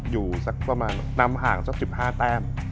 อยู่สักประมาณนำห่างสัก๑๕แต้ม